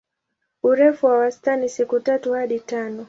Urefu wa wastani siku tatu hadi tano.